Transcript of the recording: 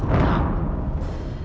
jangan bicara kasar seperti itu